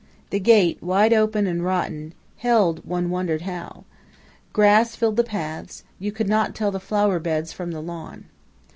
The gate, wide open and rotten, held, one wondered how. Grass filled the paths; you could not tell the flower beds from the lawn.